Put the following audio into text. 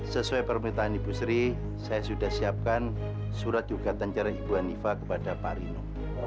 sesuai permintaan ibu sri saya sudah siapkan surat gugatan cara ibu hanifah kepada pak rino